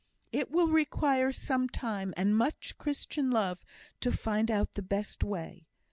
"It will require some time, and much Christian love, to find out the best way.